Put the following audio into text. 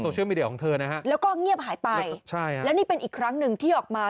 ใช่แล้วก็เงียบหายไปแล้วนี่เป็นอีกครั้งหนึ่งที่ออกมา